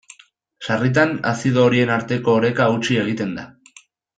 Sarritan, azido horien arteko oreka hautsi egiten da.